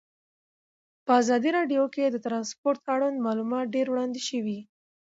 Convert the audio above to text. په ازادي راډیو کې د ترانسپورټ اړوند معلومات ډېر وړاندې شوي.